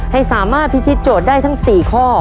ให้สามารถพิธีโจทย์ได้ทั้ง๔ข้อ